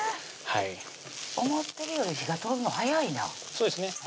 思ってるより火が通るの早いなそうですね